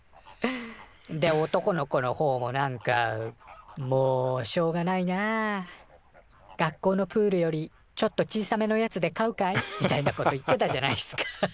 で男の子のほうもなんか「もうしょうがないな。学校のプールよりちょっと小さめのやつで飼うかい？」みたいなこと言ってたじゃないっすか。